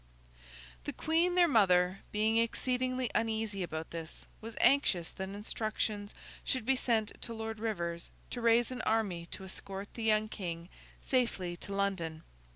The Queen, their mother, being exceedingly uneasy about this, was anxious that instructions should be sent to Lord Rivers to raise an army to escort the young King safely to London.